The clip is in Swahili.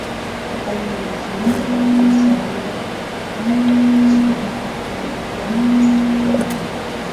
mathalani Amboseli Nairobi Masai Mara Samburu Ziwa Nakuru na Tsavo nchini Kenya